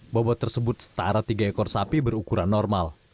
bobot tersebut setara tiga ekor sapi berukuran normal